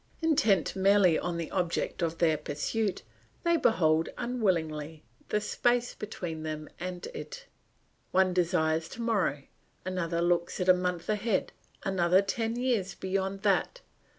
Intent merely on the object of their pursuit, they behold unwillingly the space between them and it; one desires to morrow, another looks a month ahead, another ten years beyond that.